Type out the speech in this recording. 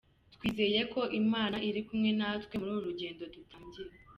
Twizeye ko Imana iri kumwe na twe muri uru rugendo dutangiye.